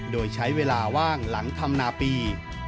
โดยใช้เวลาว่างหลังทำนาปี